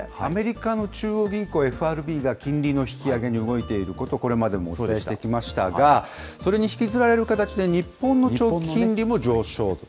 アメリカの中央銀行ＦＲＢが、金利の引き上げに動いていること、これまでもお伝えしてきましたが、それに引きずられる形で、日本の長期金利も上昇。